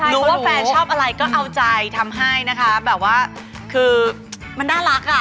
รู้ว่าแฟนชอบอะไรก็เอาใจทำให้นะคะคือมันน่ารัก